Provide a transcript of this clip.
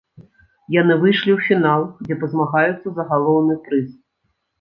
Яны выйшлі ў фінал, дзе пазмагаюцца за галоўны прыз.